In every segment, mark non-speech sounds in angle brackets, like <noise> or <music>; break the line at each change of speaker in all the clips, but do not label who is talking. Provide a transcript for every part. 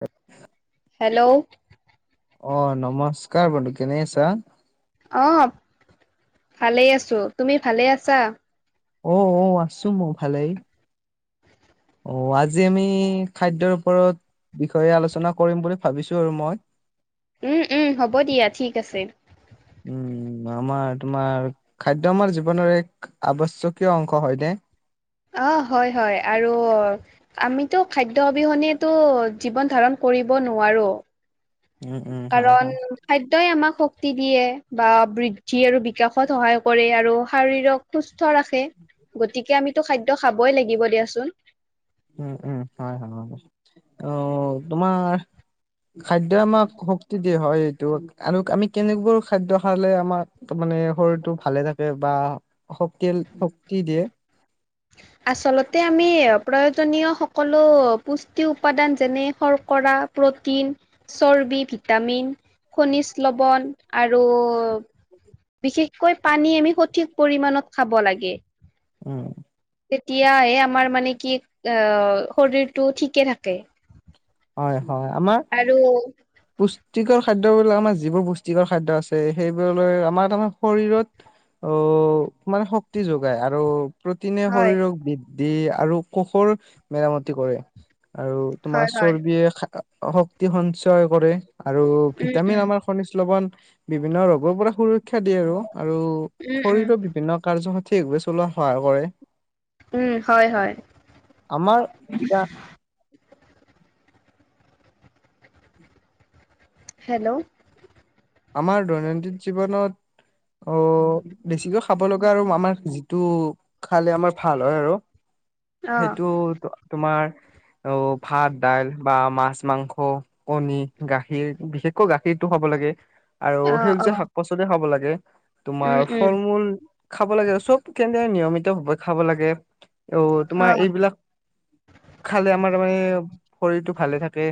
হয়
হেল্ল'
অ নমস্কাৰ বন্ধু কেনে আছা
অ ভালেই আছো তুমি ভালে আছা
অ অ আছো মই ভালেই অ আজি আমি খাদ্যয়ৰ ওপৰত বিষয়ে আলোচনা কৰিম বুলি ভাবিছো আৰু মই
উম উম হ'ব দিয়া ঠিক আছে
উম উ আমাৰ তোমাৰ খাদ্য আমাৰ জীৱনৰ এক আৱশ্যকীয় অংশ হয় নে
অ হয় হয় আৰু আমিতো খাদ্য অবিহনে জীৱন ধাৰণ কৰ কৰিব নোৱাৰো
উম উম হয়
কাৰণ
হয়
খাদ্যয়ই আমাক শক্তি দিয়ে বা বৃদ্ধি আৰু বিকাশত সহায় কৰে আৰু শাৰিৰক সুস্থ স ৰাখে গতিকে আমিতো খাদ্য খাবই লাগিব দিয়াচোন
উম উম হয় হয় হয় অ তোমাৰ খাদ্যয় আমাক শক্তি কি হয় এইটো আন আমি কেনেকবোৰ খাদ্য খালে আমাক তাৰ মানে শৰীৰটো ভালে থাকে বা শক্তিৰ শক্তি দিয়ে
আচলতে আমি প্ৰয়োজনীয় সকলো পুষ্টি উপাদান যেনে শৰ্কৰা প্ৰটিন চৰ্বি ভিটামিন খনিজ লৱণ আৰু বিশেষকৈ পানী আমি সঠিক পৰিমানণত খাব লাগে
উম
তেতিয়াহে আমাৰ মানে কি আহ শৰীৰটো ঠিকে থাকে
হয় হয় আমাৰ
আৰু
পুষ্টিকৰ খাদ্য বাক আমাৰ যিবোৰ পুষ্টিকৰ খাদ্য আছে সেইবোৰলৈ আমাৰ তাৰ শৰত অ মানে শক্তি যোগায় আৰু প্ৰতিটনে
হয়
শৰীৰক বি দি আৰু কোষৰ মেৰামতি কৰে আৰু তোমাৰ
হয় হয়
চৰ্বিয়ে শক্তি সঞ্চয় কৰে আৰু
উম
ভিটামিন
উম
আমাৰ খনিজ লৱন বিভিন্ন ৰোগৰ পৰা সুৰক্ষা দিয়ে আৰু আৰু
উম উম
শৰীৰৰ বিভিন্ন কাৰ্য ঠিক বে চলোৱা সহায় কৰে
উম হয় হয়
আমাৰ
হেল্ল'
আমাৰ দৈনন্দিন জীৱনত অ বেছিকৈ খাব লগা আৰু আমাৰ যিটো খালে আমাৰ ভাল হয় আৰু
অ
সেইটো তোমাৰ অ ভাত দাইল বা মাছ মাংস কণী গাখীৰ বিশেষকৈ গাখীৰ টো খাব লাগে আৰু
অ অ
সেইজীয়া শাক পাচলি খাব লাগে
উম
তোমাৰ
উম
ফল মূল খাব লাগে চব কেনে নিয়মিত ভাৱে খাব লাগে অ'
অ
তোমাৰ এইবিলাক খালে আমাৰাৰ মানে শৰীৰটো ভালে থাকে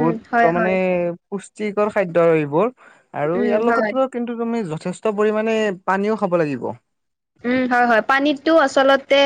উম হয়
ত মানে
হয়
পুষ্টিকৰ খাদ্য এইবোৰ আৰু
উম
ইয়াৰ
হয়
লগতে কিন্তু তুমি যথেষ্ট পৰিমামানে পানীও খাব লাগিব
উম হয় হয় পানীতটো আচলতে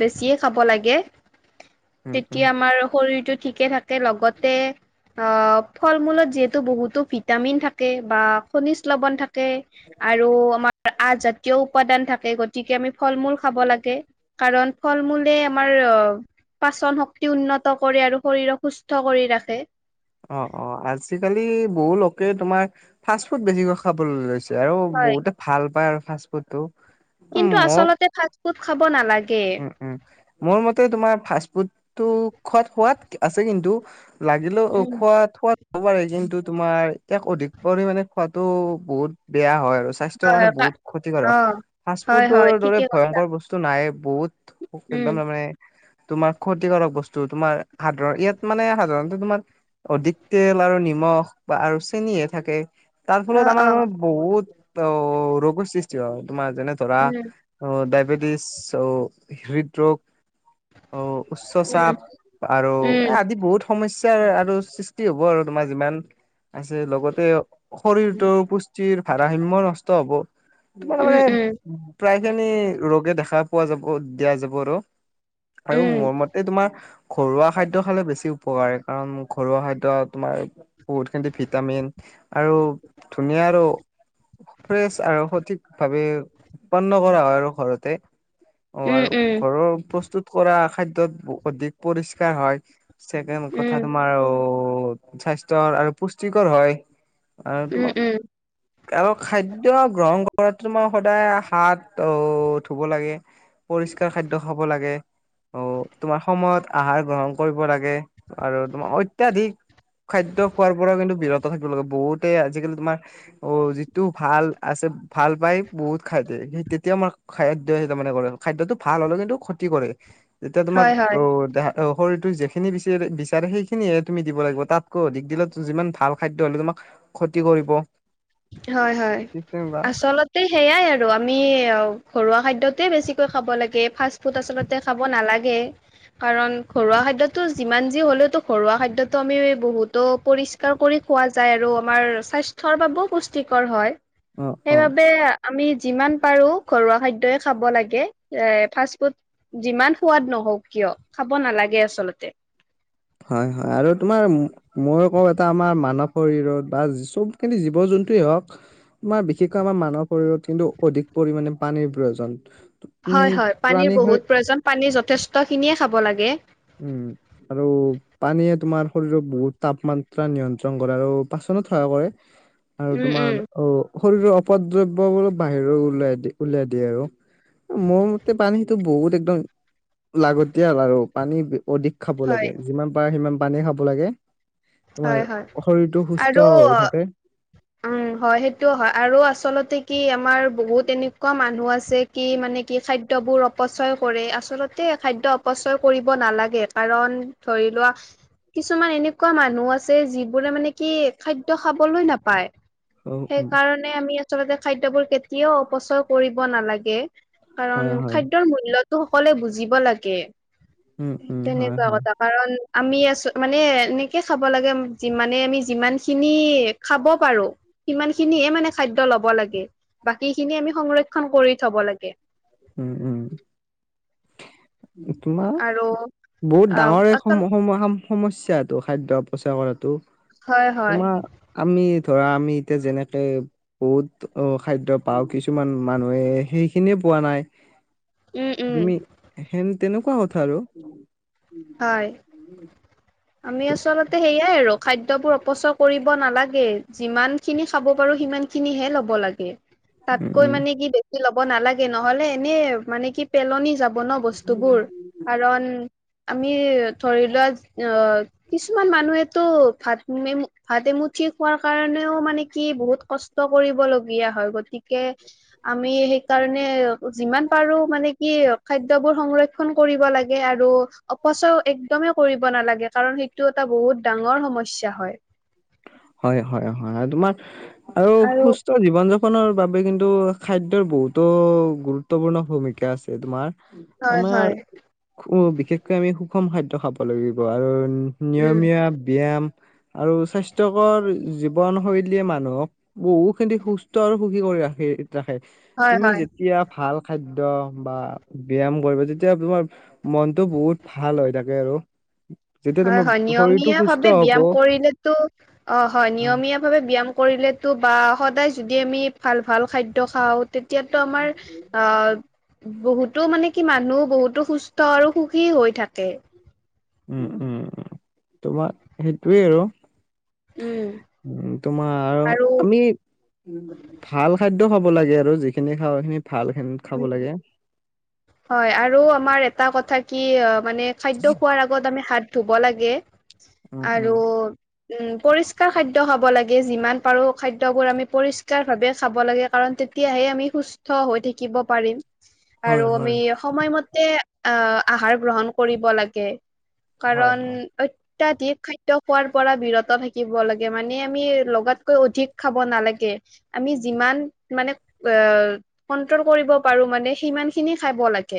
বেছিয়ে খাব লাগে
উম, উম।
তেতিয়া আমাৰ শৰীৰটো ঠিকে থাকে লগতে অ, ফল মূলত যিহেতু বহুতো ভিটামিন থাকে বা খনিজ লবন থাকে। আৰু আমাৰ আজাতীয় উপাদান থাক গতিকে আমি ফল মূল খাব লাগে কাৰণ ফল মূলে আমাৰ অ পাচন শক্তি উন্নত কৰে আৰু শৰীৰক সুস্থ কৰি ৰাখে
অ অ আজিকালি বহু লোকে তোমাৰ ফাষ্ট ফুড বেছিকৈ খাবলৈ লৈছে আৰু
হয়,
বহুতে ভাল পায় আৰু ফাষ্ট ফুড টো
কিন্তু আচলতে ফাষ্ট ফুড খাব নালাগে
উম উম মোৰ মতে তোমাৰ ফাষ্ট ফুডটো খোৱাত সোৱাদ আছে কিন্তু লাগিলেও অ
উম,
খোৱা খোৱব পাৰে কিন্তু তোমাৰ ইয়াক অধিক পৰিমাণে াতো বহুত বেয়া হয় স্বাস্থ্্যৰ
হয়,
কাৰণে
হয়,
বহুত
কা-
ক্ষতিকাৰক
অ',
ফাষ্ট
হয়,
ফুডৰ
হয়,
দৰে
ঠিকে ক
ভয়ংকৰ বস্তু নাই বহুত
উম,
একদম তাৰে তোমাৰ ক্ষতি কৰক বস্তু তোমাৰ সাধাৰণ ইয়াত মানে সাধাৰণতে তোমাৰ অধিক তেল আৰু নিমখ বা আৰু চেনহে থাকে তাৰ ফলত
অ',
আমাৰ
অ',
মান বহুত অ ৰোগৰ সৃষ্টি হয় তোমাৰ যেনে ধৰা
উম,
অ ডায়বেটিছ হৃদৰোগ অ উচ্চ
উম।
চাপ আৰু এ
উম,
আদি বহুত সমস্্যাৰ আৰু হ'ব আৰু তোমাৰ যিমান আছে লগতে শৰীৰটোৰ পুষ্টিৰ ভাৰসাময় নষ্ট হব তোমাৰে
উম,
মানে
উম,
প্ৰায় খিনি ৰোগে দেখা পোৱা যাব দিয়া যাব আৰু আৰু
উম,
মোৰ মতে তোমাৰ ঘৰুৱা খাদ্য খালে বেছি উপকাৰে কাৰণ ঘৰুৱা খাদ্য তোমাৰ বহুত খিনি ভিটামিন আৰু ধুনীয়া আৰু ফ্ৰেছ আৰু সঠিক ভাৱে উৎপন্ন কৰা হয় আৰু ঘৰতে অ
উম,
আৰু
উম,
ঘৰৰ প্ৰস্তুত কৰা খাদ্যয়ত অধিক পৰিষ্কাৰ হয় চকেড কথা
উম,
তোমাৰ স্বাস্থ্্যৰ আৰু পুষ্টিকৰ হয় আৰু
উম,
তোমাৰ
উম,
আৰু খাদ্য গ্ৰহণ কৰা তোমাৰ সদায় হাত অ ধুব লাগে পৰিষ্কাৰ খাদ্য খাব লাগে অ তোমাৰ সময়ত আহাৰ গ্ৰহণ কৰিব লাগে আৰু তোমাৰ অত্যাধিক খাদ্য খোৱাৰ পৰা কিন্তু বিৰত থাকিব লাগে বহুতে আজিকালি তোমাৰ অ যিটো ভাল আছে ভাল পাই বহুত খাইতে তেতিয়া মাৰ খাদ মানে কৰে খাদ্যয়তটো ভাল হলেও কিন্তু ক্ষতি কৰে যেতিয়া তোমাক
হয়, হয়,
অ শৰীৰটো ি বিচ বিচাৰে সেইখিনিহে তুমি দিব লাগিব তাতকৈ অধিক দিলে যিমান ভাল খাদ্য হ'লে তোমাকতি কৰিব
হয় হয়
ঠিক তেনেকুৱা
আচলতে সেইয়াই আৰু আমি ঘৰুৱা খাদ্য ত বেছিকৈ খাব লাগে ফাষ্ট ফুড আচল্ততে খাব নালাগে কাৰণ ঘৰুৱা খাদ্্যতটো যিমান যি হ'লেওতো ঘৰুৱা খাদ্যয়তটো আমি বহুতো পৰিষ্কাৰ কৰি খ যায় আৰু আমাৰ স্বাস্থ্যৰ বাবেও পুষ্টিকৰ হয়
অ', অ'।
সেইবাবে আমি যিমান পাৰো ঘৰুৱা খাদ্যই খাব লাগে এ ফাষ্ট ফুড যিমান সোৱাদ নহওক কিয় খাব নালাগে আচলতে
হয় হয় আৰু তোমাৰ মইো কওঁ এটা আমাৰ মানৱ শৰীৰত বা চবখিনি জীৱ জন্তুৱেই হওক আমাৰ বিশেষকৈ আমাৰ মানুহৰ শৰীৰত কিন্তু অধিক পৰিমামানে পানীৰ প্ৰয়োজন তুমি
হয় হয়
প্ৰাণী
পানীৰ বহুত প্ৰয়োজন পানী যথেষ্ট খিনিয়ে খাব লাগে
উম আৰু পানীয়ে তোমাৰ শৰীৰত বহুত তাপমাত্ৰা নিয়ন্ত্ৰণ কৰে আৰু পাছত সহাই কৰে আৰু
উম উম
তোমাৰ অ শৰীৰৰ অপদ দ্ৰব্য বল বাহিৰ উওলাই দি উলিয়াই দিয়ে আৰু মোৰ মতে পানী সেইটো বহুত একদম লাগতিয়াল আৰু পানী অধিক খাব
হয়
লাগে যিমান পাৰে সিমান পানী খাব লাগে তোমাৰ
হয় হয়
শৰীৰটো সুস্থ
আৰু
হৈ থাকে
উম হয় সেইটোও হয় আৰু আচলতে কি কি আমাৰ বহুত এনেকুৱা মানুহ আছে কি মানে কি খাদ্য খাদ্যয়বোৰ অপচয় কৰে আচলতে খাদ্য অপচয় কৰিব নালাগে কাৰণ ধৰি লোৱা কিছুমান এনেকুৱা মানুহ মানুহ আছে যিবোৰে মানে কি খাদ্য খাবলৈ নাপায়
অ উম
সেইকাৰণে আমি আচলতে খাদ্যবোৰ কেতিয়াও অপচয় কৰিব নালাগে কাৰণ
হয় হয়
খাদ্যৰ মূল্য টো সকলোৱে বুজিব লাগে
উম উম হয়
তেনেকুৱা
হয়
কথা কাৰণ আমি আছো মানে খাব লাগে মানে আমি যিমান খিনি খাব পাৰো সিমান খিনি মানে খাদ্য লব লাগে বাকী খিনি আমি সংৰক্ষণ কৰি থব লাগে
উম উম তোমাৰ
আৰু
বহুত
আহ
ডাঙৰে সম
আচল
সমা সমস্যা এইটো খাদ্য অপচয় কৰাটো
হয় হয়
তোমাৰ আমি ধৰা আমি এতিয়া যেনেকে বহুত অ খাদ্য পাওঁ কিছুমান মানুহে সেইখিনিয়ে পোৱা নাই
উম উম
তুমি হেন তেনেকুৱা কথা আৰু
হয় আমি আচলতে সেইয়াই আৰু খাদ্যবোৰ অপচয় কৰিব নালাগে যিমান খিনি খাব পাৰো সিমান খিনিহে ল'ব লাগে
উম
তাতকৈ
উম
মানে কি বেছি ল'ব নালাগে নহলে এনে মানে কি পেলনি যাব বন বস্তুবোৰ কাৰণ আমি ধৰি লোৱা অ কিছুমান মানুহেতো ভাত এমু ভাত এমুঠি খোৱাৰ কাৰণেও মানে কি বহুত কষ্ট কৰিবলগীয়া হয় গতিকে আমি সেইকাৰণে যিমান পাৰো মানে কি খাদ্যবোৰ সংৰক্ষন কৰিব লাগে আৰু অপচয় একদমেই কৰিব নালাগে কাৰণ সেইটো এটা বহুত ডাঙৰ সমস্যা হয়
হয় হয় হয় আৰু তোমাৰ আৰু সুস্থ জীৱন যাপনৰ বাবে কিন্তু এইটো খাদ্যৰ বহুতো গুৰুত্বপূৰ্ণ ভূমিকা আছে তোমাৰ
হয়
আমাৰ
হয়
উ বিশেষকৈ আমি সুষম খাদ্য খাব লাগিব আৰু
উম
নিয়মীয়া ব্যায়াম আৰু স্বাস্থ্য জীৱন শৈলীয়ে মানুহক বহু খিনি সুস্থ আৰু সুখী কৰি ৰাখে ৰাখে
হয়
তুমি
হয়
যেতিয়া ভাল খাদ্য বা ব্যায়াম কৰিবা তেতিয়া তোমাৰ মনটো বহুত ভাল হৈ থাকে আৰু <inaudible>
হয়
তোমাৰ
হয়
শৰীৰটো
নিয়মীয়া
সুস্থ
ভাৱে
হব
ব্যায়াম কৰিলে তো অ হয়
আহ,
নিয়মীয়া ভাৱে ব্যায়াম ক কৰিলেতো বা সদায় যদি আমি ভাল ভাল খাদ্য খাওঁ তেতিয়াতো আমাৰ অ বহুত টো মানে কি মানুহ বহুতো সুস্থ আৰু সুখী হৈ থাকে
উম উম উ তোমাৰ সেইটোৱে আৰু
উম
উ তোমাৰ আৰু আমি ভাল খাদ্য টো খাব লাগে আৰু যিখিনি খাওঁ খিনি ভাল খাব লাগে
হয় আৰু আমাৰ এটা কথা কি অ মানে খাদ্য খোৱাৰ আগত আমি হাত ধুব লাগে
উম উম
আৰু উম পৰিস্কাৰ খাদ্য খাব লাগে যিমান পাৰো খাদ্যবোৰ আমি পৰিস্কাৰ ভাৱে খাব লাগে কাৰণ তেতিয়াহে আমি সুস্থ হৈ থাকিব পাৰিম আৰু
হয় হয়
আমি সময়মতে আহ আহাৰ গ্ৰহণ কৰিব লাগে
হয়
কাৰণ
হয়
অত্যাধিক খাদ্য খোৱাৰ পৰা বিৰত থাকিব লাগে মানে আমি লগাতকৈ অধিক খাব নালাগে আমি যিমান মানে অ', কণ্ট্ৰল কণ্ট্ৰল কৰিব পাৰোঁ মানে সিমানখিনি খাব লাগে,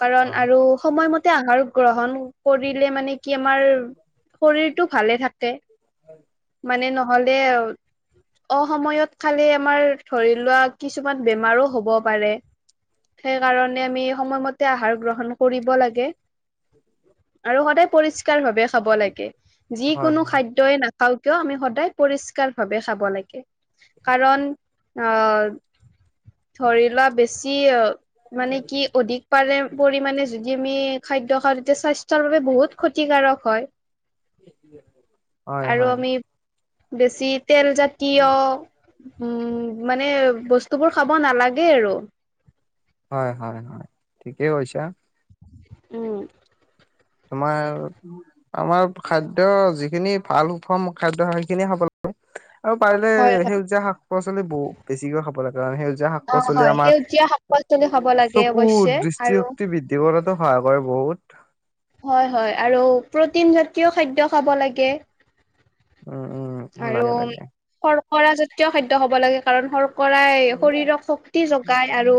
কাৰণ
অ
আৰু সময়মতে আহাৰ গ্ৰহণ কৰিলে মানে কি আমাৰ শৰীৰটো ভালে থাকে মানে ন নহ'লে অসময়ত খালে আমাৰ ধৰি লোৱা কিছু কিছুমান বেমাৰো হ'ব পাৰে, সেইকাৰণে আমি সময়মতে আহাৰ গ্ৰহণ কৰিব লাগে। আৰু সদায় পৰিস্কাৰ ভাৱে খাব লাগে
হয়
যিকোনো খাদ্যই না নাখাওঁ কিয় আমি সদায় পৰিষ্কাৰ ভাৱে খাব লাগে কাৰণ অ', ধৰি লোৱা বেছি মানে কি অধিক পাৰে পৰিমাণে যদি আমি খাদ্য খাওঁ তেতিয়া স্বাস্থ্যৰ বাবে বহুত ক্ষতিকাৰক হয়
হয়
আৰু
হয়।
আমি বেছি তেলজাতীয় উম মানে বস্তু বস্তুবোৰ খাব নালাগে আৰু
হয়- হয়- হয় ঠিকেই কৈছা।
উম।
তোমাৰ আমাৰ খাদ্য যিখিনি ভাল সুষম খাদ্য সেইখিনিয়ে খাব লাগে আৰু পাৰিলে
হয় হয়
সেউজীয়া শাক পাচলি বহু বেছিকৈ খাব লাগে কাৰণ সেউজীয়া শাক
অ
পাচলি
হয়
আমাৰ
সেউজীয়া শাক পাচলি খাব লাগে
চকু
অৱশ্যে আৰু
দৃষ্টিশক্তি বৃদ্ধি কৰাতো সহায় কৰে বহুত।
হয় -হয় আৰু প্ৰ'টিন জাতীয় খাদ্য খাব লাগে
উম -উম লাগে- লাগে
পৰাজাতীয় খাদ্য হ'ব লাগে কাৰণ হ'ল কৰাই শৰীৰক শক্তি যগাই আৰু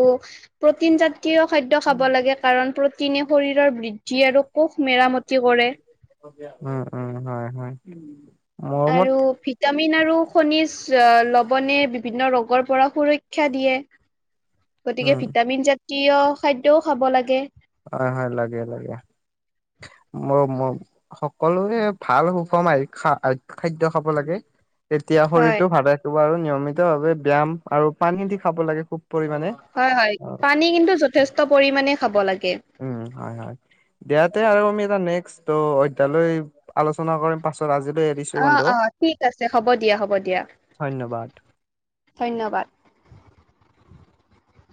প্ৰ'টিনজাতীয় খাদ্য খাব লাগে কাৰণ প্ৰ'টি প্ৰ'টিনে শৰীৰৰ বৃদ্ধি আৰু কোষ মেৰামতি কৰে।
উম- উম হয় -হয় মোৰ মত
আৰু ভিটামিন আৰু খনিজ লৱণে বিভিন্ন ৰোগৰ পৰা সুৰক্ষা দিয়ে গতিকে
উম
ভিটামিন জাতীয় খাদ্যও খাব লাগে।
হয়- হয় লাগে -লাগে। ম ম সকলোৱে ভাল সুষম খা খাদ্য খাব লাগে তেতিয়া
হয়।
শৰীৰটো ভাল ৰাখিব আৰু নিয়মিত ভাৱে ব্যায়াম আৰু পানী দি খাব লাগে খুব পৰিমাণে।
হয় -হয় পানী কিন্তু যথেষ্ট পৰিমাণে খাব লাগে।
উম, হয় -হয়, দিয়াতে আৰু আমি এটা নেক্সট অধ্যায়লৈ আলোচনা কৰিম পাছত আজিলৈ এৰিছো বন্ধু
অ', অ', ঠিক আছে হ'ব দিয়া হ'ব দিয়া
ধন্যবাদ।
ধন্যবাদ।